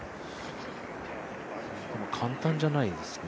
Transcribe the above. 簡単じゃないですね。